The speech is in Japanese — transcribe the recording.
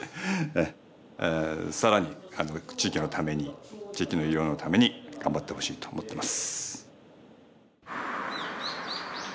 さらに地域のために地域の医療のために頑張ってほしいと思ってます。